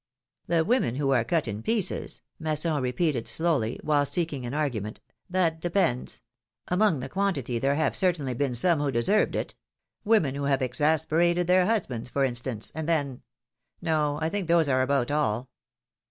" The women who are cut in pieces,^^ Masson repeated slowly, while seeking an argument, 'Hhat depends; among the quantity, there have certainly been some who deserved it; women who have exasperated their husbands, for instance, and then — no, I think those are about all.